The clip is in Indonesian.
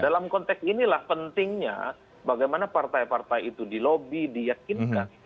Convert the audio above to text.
dalam konteks inilah pentingnya bagaimana partai partai itu dilobi diyakinkan